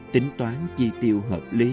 tính toán chi tiêu hợp lý